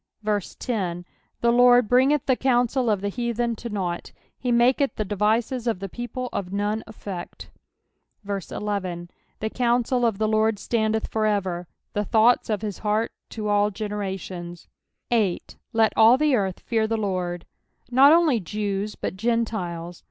10 The Lord bringeth the counsel of the heathen to nought : he maketh the devices of the people of none ePfect. 11 The counsel of the LORD standeth for ever, the thoughts of bis heart to all generations. 8, ^'^ La dH the earth fear the Lord." Not only Jews, but Gentiles.